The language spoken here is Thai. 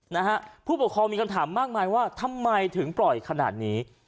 นะฮะผู้ปกครองมีคำถามมากมายว่าทำไมถึงปล่อยขนาดนี้